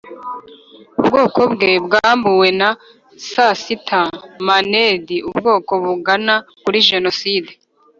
ubwoko bwe bwambuwe na sasita maned ubwoko bugana kuri jenoside,